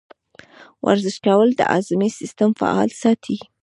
ورزش کول د هاضمې سیستم فعال ساتي.